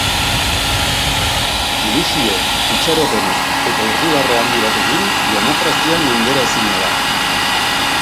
Ilusioz, itxaropenez eta irribarre handi batekin, demokrazia menderaezina da.